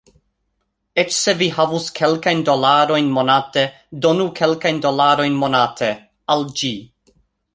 Eĉ se vi havus kelkajn dolarojn monate, doni kelkajn dolarojn monate... al ĝi...